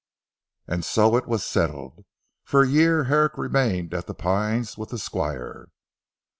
And so it was settled. For a year Herrick remained at "The Pines" with the Squire.